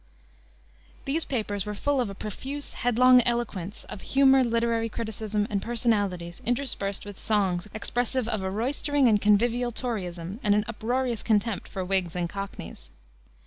These papers were full of a profuse, headlong eloquence, of humor, literary criticism, and personalities interspersed with songs expressive of a roystering and convivial Toryism and an uproarious contempt for Whigs and cockneys.